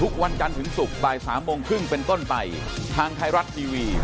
ขอบคุณครับ